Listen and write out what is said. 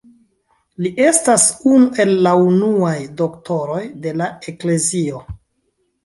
Li estas unu el la unuaj Doktoroj de la Eklezio.